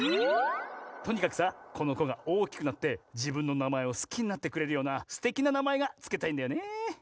とにかくさこのこがおおきくなってじぶんのなまえをすきになってくれるようなすてきななまえがつけたいんだよね。